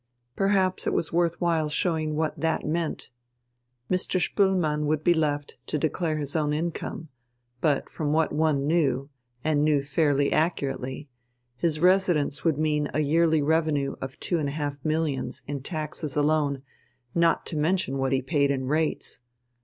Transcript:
Perhaps it was worth while showing what that meant. Mr. Spoelmann would be left to declare his own income, but, from what one knew and knew fairly accurately his residence would mean a yearly revenue of two and a half millions, in taxes alone, not to mention what he paid in rates.